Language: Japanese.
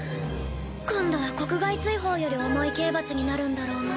今度は国外追放より重い刑罰になるんだろうな。